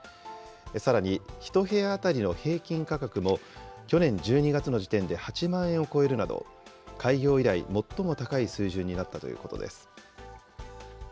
さらに１部屋当たりの平均価格も、去年１２月の時点で８万円を超えるなど、開業以来、最も高い水準になったということです。